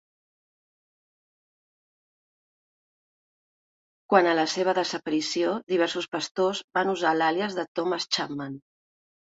Quant a la seva desaparició, diversos pastors van usar l'àlies de Thomas Chapman.